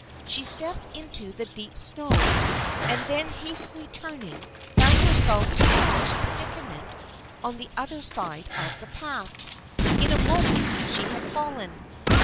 She stepped into the deep snow, and then hastily turning, found herself in a worse predica ment on the other side of the path. In a moment she had fallen.